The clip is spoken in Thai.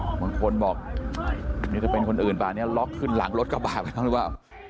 เห้ยบางคนบอกนี่ก็เป็นคนอื่นป่ะอันนี้ล็อคขึ้นหลังรถกระบาดกันหรือเปล่า